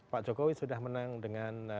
pak jokowi sudah menang dengan